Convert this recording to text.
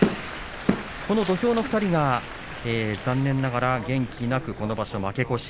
この土俵の２人が残念ながら元気なく、この場所負け越し。